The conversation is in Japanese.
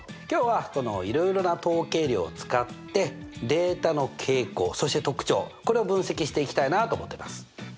今日はいろいろな統計量を使ってデータの傾向そして特徴これを分析していきたいなと思ってます。